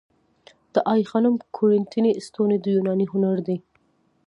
د آی خانم کورینتی ستونې د یوناني هنر دي